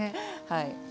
はい。